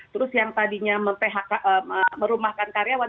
terus yang tadinya merumahkan karyawan